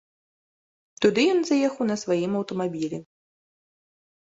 Туды ён заехаў на сваім аўтамабілі.